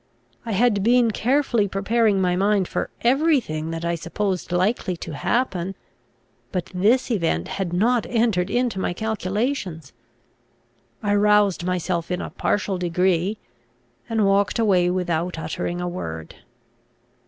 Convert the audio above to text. I had been carefully preparing my mind for every thing that I supposed likely to happen, but this event had not entered into my calculations. I roused myself in a partial degree, and walked away without uttering a word.